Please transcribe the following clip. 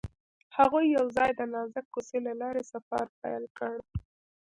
هغوی یوځای د نازک کوڅه له لارې سفر پیل کړ.